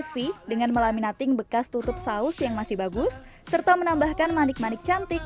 fee dengan melaminating bekas tutup saus yang masih bagus serta menambahkan manik manik cantik